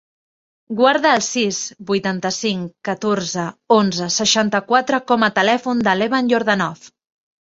Guarda el sis, vuitanta-cinc, catorze, onze, seixanta-quatre com a telèfon de l'Evan Yordanov.